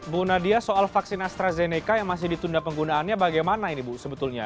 bu nadia soal vaksin astrazeneca yang masih ditunda penggunaannya bagaimana ini bu sebetulnya